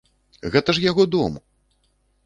Гэта ж яго дом!